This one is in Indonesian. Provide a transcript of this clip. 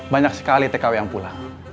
banyak sekali tkw yang pulang